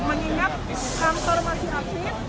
mengingat konsol masih asli